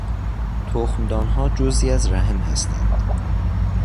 تخمدانها جزئی از رحم هستند.